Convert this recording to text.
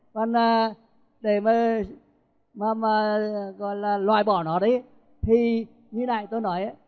còn để mà loại bỏ nó đi thì như nãy tôi nói á